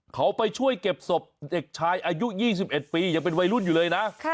เขาไปช่วยเก็บศพเด็กชายอายุ๒๑ปียังเป็นวัยรุ่นอยู่เลยนะ